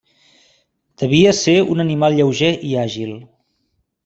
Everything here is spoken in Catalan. Devia ser un animal lleuger i àgil.